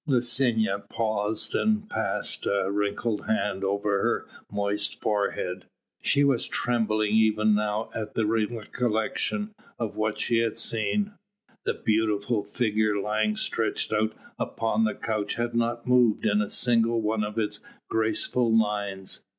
Licinia paused and passed a wrinkled hand over her moist forehead. She was trembling even now at the recollection of what she had seen. The beautiful figure lying stretched out upon the couch had not moved in a single one of its graceful lines.